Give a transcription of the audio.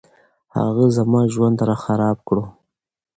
هغه زما ژوند راخراب کړو